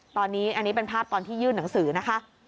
ตอนนี้อันนี้เป็นภาพตอนที่ยื่นหนังสือนะคะ